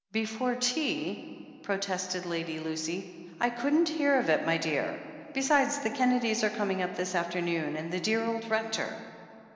"Before tea!" protested Lady Lucy. "I couldn't hear of it, my dear. Besides, the Kennedys are coming up this afternoon, and the dear old Rector."